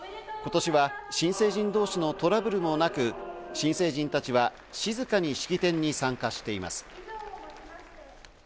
今年は新成人同士のトラブルもなく新成人たちは静かに式典に参加しています。